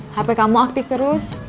hape kamu aktif terus